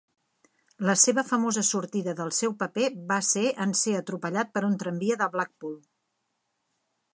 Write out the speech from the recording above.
La seva famosa sortida del seu paper va ser en ser atropellat per un tramvia de Blackpool.